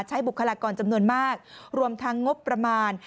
บุคลากรจำนวนมากรวมทั้งงบประมาณ